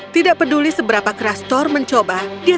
tidak peduli seberapa keras thor mencoba dia tetap menang